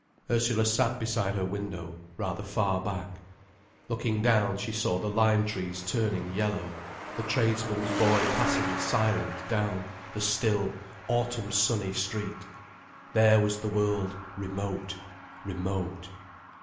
Ursula sat beside her window, rather far back. Looking down, she saw the lime trees turning yellow, the tradesman's boy passing silent down the still, autumn sunny street. There was the world, remote, remote.